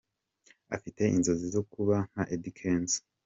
Afite inzozi zo kuba nka Eddy Kenzo.